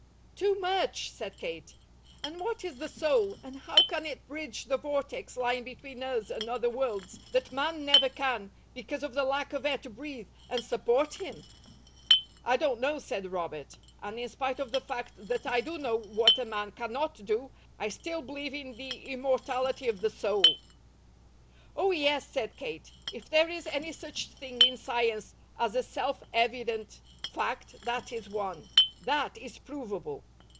"Too much!" said Kate. "And what IS the soul, and HOW can it bridge the vortex lying between us and other worlds, that man never can, because of the lack of air to breathe, and support him?" "I don't know," said Robert; "and in spite of the fact that I do know what a man CANNOT do, I still believe in the immortality of the soul." "Oh, yes," said Kate. "If there is any such thing in science as a self evident fact, that is one. THAT is provable."